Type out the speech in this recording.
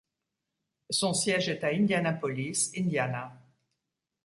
Son siège est à Indianapolis, Indiana.